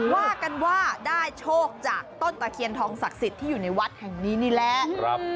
ว่ากันว่าได้โชคจากต้นตะเคียนทองศักดิ์สิทธิ์ที่อยู่ในวัดแห่งนี้นี่แหละ